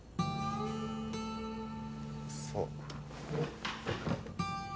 そう。